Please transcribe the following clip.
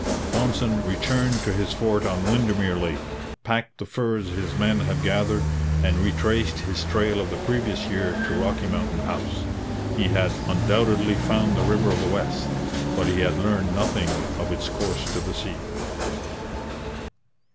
Thompson returned to his fort on Windermere Lake, packed the furs his men had gathered, and retraced his trail of the previous year to Rocky Mountain House. He had undoubtedly found the River of the West, but he had learned nothing of its course to the sea.